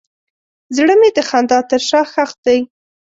زړه مې د خندا تر شا ښخ دی.